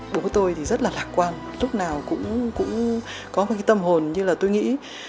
bố tôi thì rất là lạc quan lúc nào cũng có một cái tâm hồn như là tôi nghĩ